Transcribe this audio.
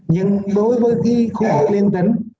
nhưng đối với khu vực liên tỉnh